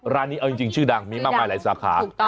ร้านนี้เอาจริงชื่อดังมีมากมายหลายสาขา